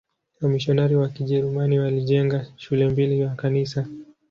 Wamisionari wa Kijerumani walijenga shule mbili na kanisa.